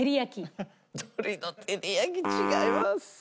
鶏の照り焼き違います。